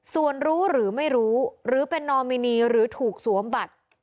ส่วนรู้หรือไม่รู้หรือเป็นนอมินีหรือถูกสวมบัตร